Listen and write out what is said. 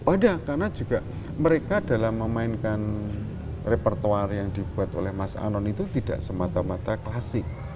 ada karena juga mereka dalam memainkan repertuar yang dibuat oleh mas anon itu tidak semata mata klasik